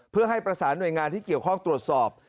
เพื่อให้ประสานหน่วยงานที่เกี่ยวข้องตรวจสอบ